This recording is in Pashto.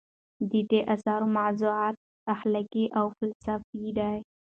د دې اثر موضوعات اخلاقي او فلسفي دي.